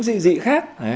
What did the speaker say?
dị dị khác